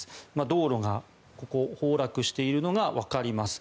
道路が、ここ、崩落しているのがわかります。